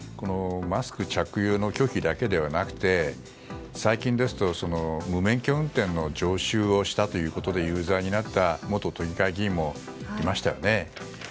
マスク着用の拒否だけではなくて最近ですと無免許運転の常習をしたということで有罪になった元都議会議員もいましたよね。